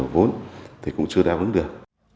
vốn thì cũng chưa đáp ứng được